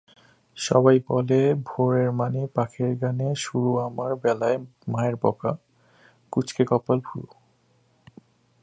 সবাই বলে ভোরের মানে পাখির গানে শুরুআমার বেলায় মায়ের বকা, কুঁচকে কপাল, ভুরু।